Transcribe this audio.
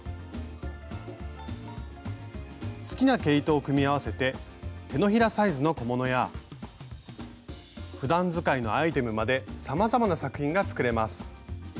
好きな毛糸を組み合わせて手のひらサイズの小物やふだん使いのアイテムまでさまざまな作品が作れます。